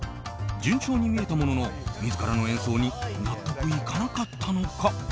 順調に見えたものの自らの演奏に納得いかなかったのか。